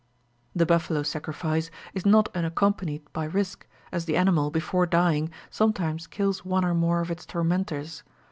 The buffalo sacrifice is not unaccompanied by risk, as the animal, before dying, sometimes kills one or more of its tormentors.